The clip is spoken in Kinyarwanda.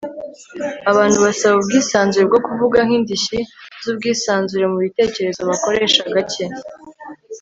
abantu basaba ubwisanzure bwo kuvuga nk'indishyi z'ubwisanzure mu bitekerezo bakoresha gake